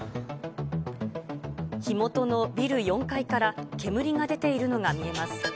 火元のビル４階から、煙が出ているのが見えます。